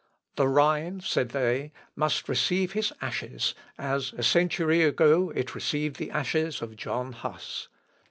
"The Rhine," said they, "must receive his ashes, as a century ago it received the ashes of John Huss."